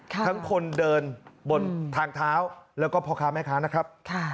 ทั้งคนเดินบนทางเท้าแล้วก็พ่อค้าแม่ค้านะครับ